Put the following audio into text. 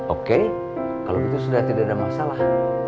oke kalau itu sudah tidak ada masalah